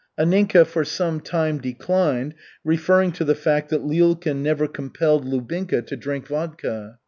Anninka for some time declined, referring to the fact that Lyulkin never compelled Lubinka to drink vodka.